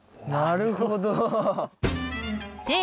なるほど。